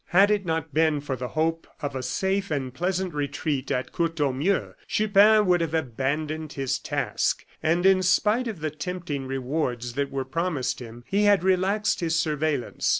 Had it not been for the hope of a safe and pleasant retreat at Courtornieu, Chupin would have abandoned his task; and, in spite of the tempting rewards that were promised him, he had relaxed his surveillance.